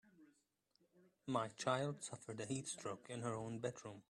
My child suffered a heat stroke in her own bedroom.